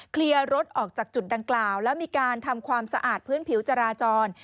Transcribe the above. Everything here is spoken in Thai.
เคลียร์รถออกจากจุดดังกล่าวแล้วมีการทำความสะอาดพื้นผิวจราจร